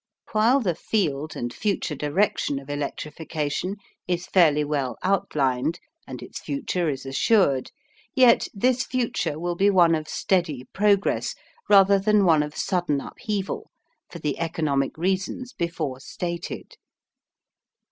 While the field and future direction of electrification is fairly well outlined and its future is assured, yet this future will be one of steady progress rather than one of sudden upheaval for the economic reasons before stated.